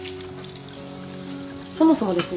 そもそもですね